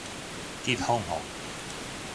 激放放